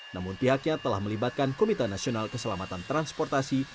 namun pihaknya telah melibatkan komite nasional keselamatan transportasi